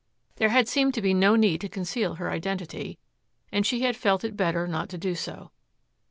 There had seemed to be no need to conceal her identity, and she had felt it better not to do so.